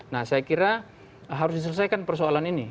nah saya kira harus diselesaikan persoalan ini